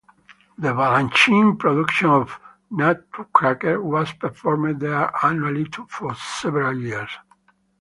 The Balanchine production of "The Nutcracker" was performed there annually for several years.